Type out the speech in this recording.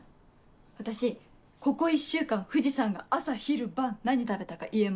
私ここ１週間藤さんが朝昼晩何食べたか言えます。